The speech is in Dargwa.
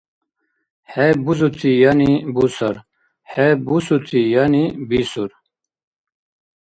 ХӀеб бузути яни бусар, хӀеб бусути яни бисур.